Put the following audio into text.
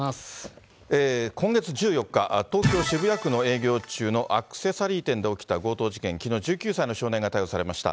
今月１４日、東京・渋谷区の営業中のアクセサリー店で起きた強盗事件、きのう１９歳の少年が逮捕されました。